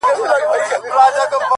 • تا په درد كاتــــه اشــــنــــا ـ